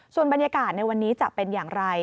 ส่วนบรรยากาศในวันนี้จะเป็นอย่างไร